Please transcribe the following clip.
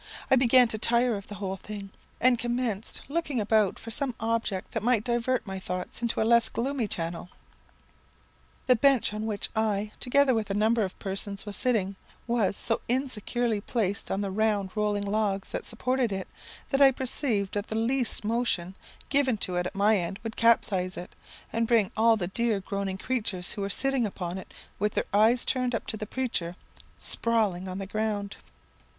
I began to tire of the whole thing, and commenced looking about for some object that might divert my thoughts into a less gloomy channel. "The bench on which I, together with a number of persons, was sitting, was so insecurely placed on the round rolling logs that supported it, that I perceived that the least motion given to it at my end would capsize it, and bring all the dear groaning creatures who were sitting upon it, with their eyes turned up to the preacher, sprawling on the ground.